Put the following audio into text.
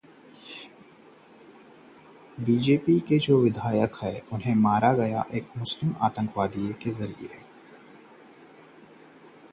BJP विधायक RD Prajapati को खनन माफिया से जान को खतरा